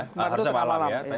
kemarin itu malam